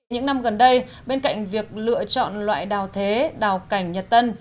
những năm gần đây bên cạnh việc lựa chọn loại đào thế đào cảnh nhật tân